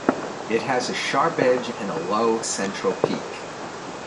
It has a sharp edge and a low central peak.